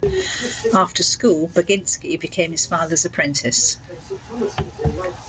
After school Baginski became his father's apprentice.